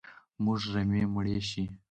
زموږ رمې مړي شي